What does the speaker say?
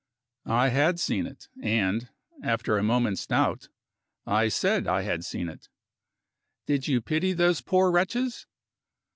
I had seen it and, after a moment's doubt, I said I had seen it. "Did you pity those poor wretches?"